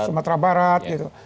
sumatera barat gitu